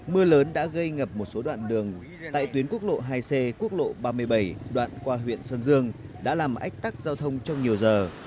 mưa lớn đã gây ngập một số đoạn đường tại tuyến quốc lộ hai c quốc lộ ba mươi bảy đoạn qua huyện sơn dương đã làm ách tắc giao thông trong nhiều giờ